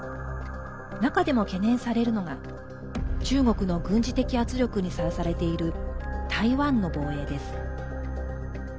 中でも懸念されるのが中国の軍事的圧力にさらされている台湾の防衛です。